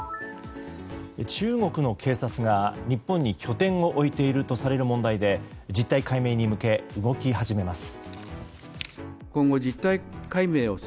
中国の警察が日本に拠点を置いているとされる問題で実態解明に向け動き始めます。